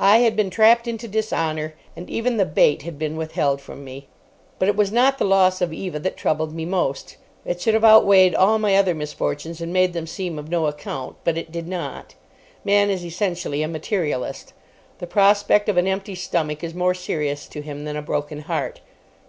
I had been trapped into dishonour, and even the bait had been withheld from me. But it was not the loss of Eva that troubled me most. It should have outweighed all my other misfortunes and made them seem of no account, but it did not. Man is essentially a materialist. The prospect of an empty stomach is more serious to him than a broken heart.